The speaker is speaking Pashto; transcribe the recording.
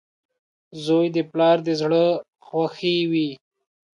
• زوی د پلار د زړۀ خوښي وي.